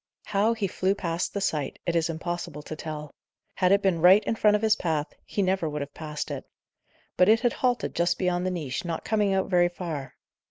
How he flew past the sight, it is impossible to tell. Had it been right in front of his path, he never would have passed it. But it had halted just beyond the niche, not coming out very far.